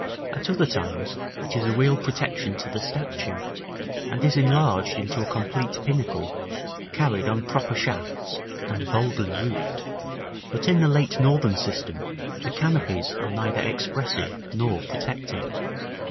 At other times it is a real protection to the statue, and is enlarged into a complete pinnacle, carried on proper shafts, and boldly roofed. But in the late northern system the canopies are neither expressive nor protective.